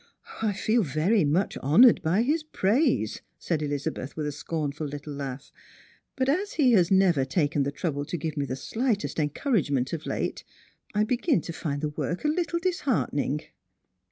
" I feel ver}' much honoured by his praise," said Elizabeth, with a scornful hitle laugh ;" but as he has never taken the trou.jle to give me the slightest encouragement of late, I begin to find the work a little disheartening."